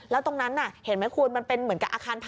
แล้วตรงนั้นน่ะเห็นไหมคุณมันเป็นเหมือนกับอาคารพา